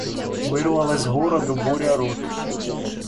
Вырвалась городу буря рот.